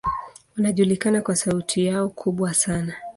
Wanajulikana kwa sauti yao kubwa sana.